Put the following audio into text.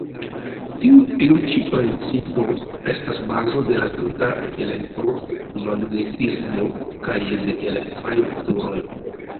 Tiu ĉi principo estas bazo de la tuta elektromagnetismo kaj de elektraj motoroj.